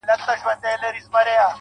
جنت د حورو دی، دوزخ د سيطانانو ځای دی~